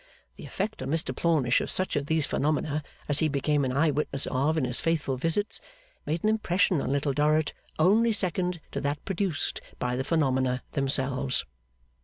The effect on Mr Plornish of such of these phenomena as he became an eye witness of in his faithful visits, made an impression on Little Dorrit only second to that produced by the phenomena themselves.